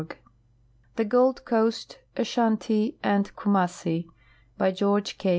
1 THE GOLD COAST, ASHANTl, AND KUMASSI By George K.